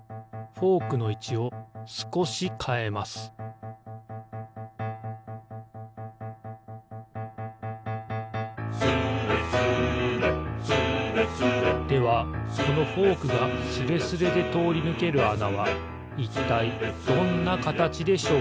フォークのいちをすこしかえます「スレスレスレスレ」ではこのフォークがスレスレでとおりぬけるあなはいったいどんなかたちでしょうか？